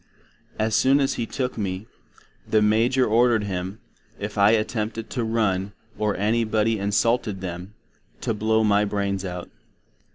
As soon as he took me, the Major orderd him, if I attempted to run, or any body insulted them, to blow my brains out.